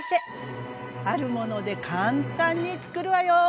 あるもので簡単につくるわよ。